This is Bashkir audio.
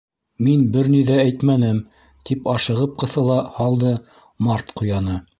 —Мин бер ни ҙә әйтмәнем, —тип ашығып ҡыҫыла һалды Март Ҡуяны.